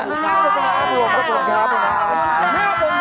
ขอบคุณครับขอบคุณครับ